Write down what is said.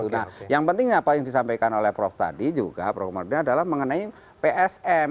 nah yang penting apa yang disampaikan oleh prof komar tadi juga adalah mengenai psm